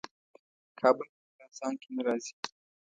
کابل په خراسان کې نه راځي.